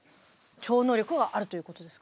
超能力があるということですか？